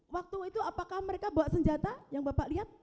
waktu itu apakah mereka bawa senjata yang bapak lihat